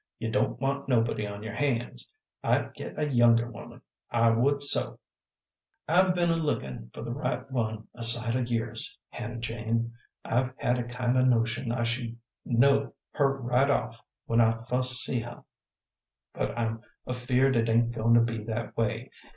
You don't want nobody on your hands. I'd git a younger woman, I would so." "I've be'n a lookin' for the right one a sight o' years, Hannah Jane. I've had a kind o' notion I should know her right off when I fust see her, but I'm afeared it ain't goin' to be that way.